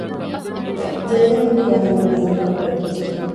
ޖައިލަމްއަކީ އަހަރެންގެ ނަޒަރުގައި ކުޑަކުއްޖެެއް